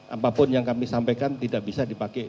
apapun yang kami sampaikan tidak bisa dipakai